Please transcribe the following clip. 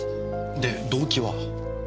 で動機は？